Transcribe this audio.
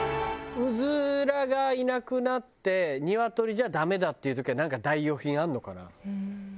うずらがいなくなってニワトリじゃダメだっていう時はなんか代用品あるのかな？